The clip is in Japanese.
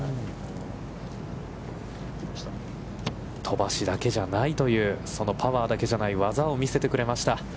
飛ばしだけじゃないという、そのパワーだけじゃない、技を見せてくれました。